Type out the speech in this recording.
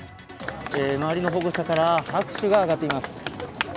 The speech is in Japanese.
周りの保護者から拍手が上がっています。